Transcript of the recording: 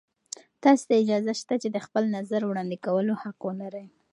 تاسې ته اجازه شته چې د خپل نظر وړاندې کولو حق ولرئ.